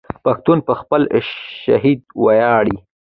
پښتون په خپل شهید ویاړي.